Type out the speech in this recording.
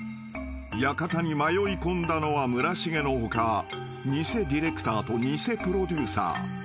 ［館に迷いこんだのは村重の他偽ディレクターと偽プロデューサー］